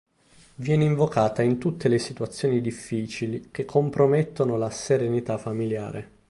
Viene invocata in tutte le situazioni difficili che compromettono la serenità familiare.